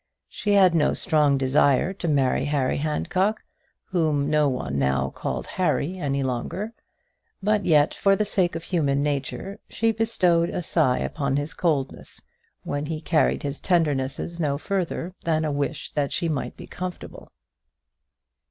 She had no strong desire to marry Harry Handcock whom no one now called Harry any longer; but yet, for the sake of human nature, she bestowed a sigh upon his coldness, when he carried his tenderness no further than a wish that she might be comfortable.